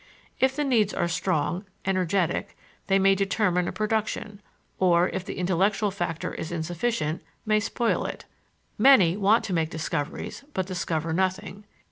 If the needs are strong, energetic, they may determine a production, or, if the intellectual factor is insufficient, may spoil it. Many want to make discoveries but discover nothing.